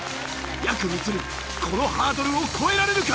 やくみつるこのハードルを越えられるか！？